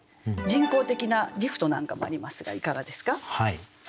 人工的なリフトなんかもありますがいかがですか？